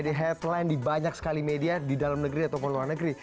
jadi headline di banyak sekali media di dalam negeri atau di luar negeri